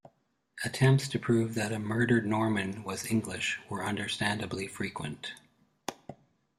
Attempts to prove that a murdered Norman was English were understandably frequent.